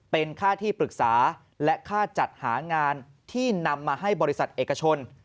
เป็นค่าที่ปรึกษาและค่าจัดหางานที่นำมาให้บริษัทเอกชน